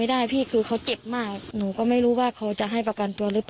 อายุ๑๐ปีนะฮะเขาบอกว่าเขาก็เห็นถูกยิงนะครับ